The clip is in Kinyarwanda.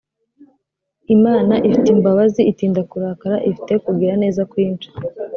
imana ifite imbabazi itinda kurakara ifite kugira neza kwinshi